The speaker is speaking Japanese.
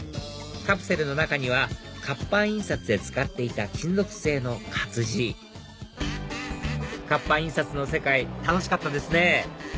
カプセルの中には活版印刷で使っていた金属製の活字活版印刷の世界楽しかったですね